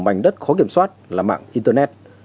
mảnh đất khó kiểm soát là mạng internet